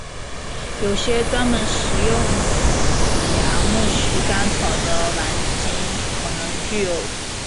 有些专门食用紫芽苜蓿干草的莞菁可能具有危险性。